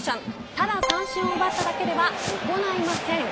ただ、三振を奪っただけでは行いません。